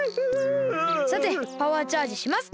さてパワーチャージしますか！